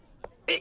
え？